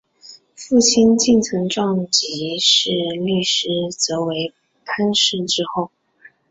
父亲近藤壮吉是律师则为藩士之后。